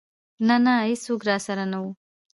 نه نه ايڅوک راسره نه و.